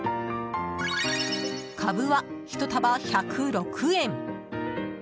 カブは１束１０６円。